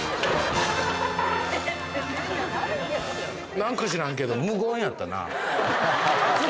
なんか知らんけど、無言やったな。